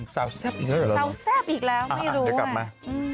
สาวแซ่บอีกแล้วหรออ่าอ่าเดี๋ยวกลับมา